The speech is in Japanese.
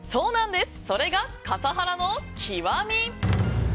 それが笠原の極み！